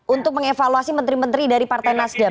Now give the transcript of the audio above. untuk mengevaluasi menteri menteri dari partai nasdem